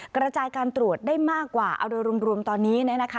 กระจายการตรวจได้มากกว่าเอาโดยรวมตอนนี้